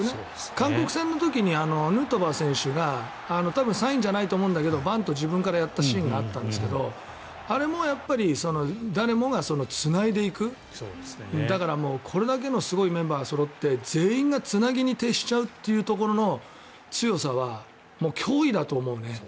韓国戦の時にヌートバー選手がサインじゃないと思うんだけどバント、自分からやったシーンがあったんですけどあれもやっぱり誰もがつないでいくだからこれだけのすごいメンバーがそろって全員がつなぎに徹しちゃうというところの強さは脅威だと思うね。